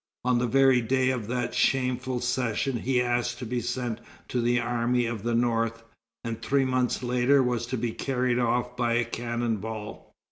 On the very day of that shameful session he asked to be sent to the Army of the North, and three months later was to be carried off by a cannon ball.